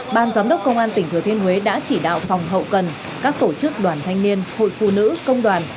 ban giám đốc công an tỉnh thừa thiên huế đã chỉ đạo phòng hậu cần các tổ chức đoàn thanh niên hội phụ nữ công đoàn